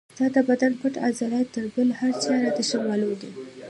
ستا د بدن پټ عضلات تر بل هر چا راته ښه معلوم دي.